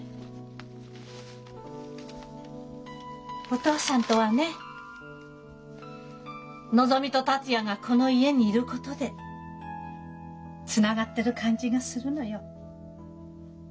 お父さんとはねのぞみと達也がこの家にいることでつながってる感じがするのよ。